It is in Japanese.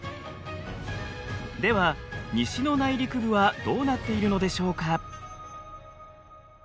では西の内陸部はどうなっているのでしょうか？